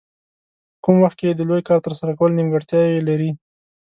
په کم وخت کې د لوی کار ترسره کول نیمګړتیاوې لري.